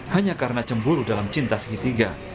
hanya karena cemburu dalam cinta segitiga